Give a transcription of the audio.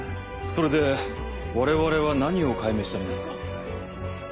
それで我々は何を解明したらいいんですか？